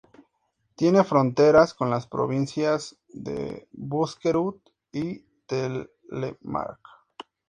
Tiene fronteras con las provincias de Buskerud y Telemark.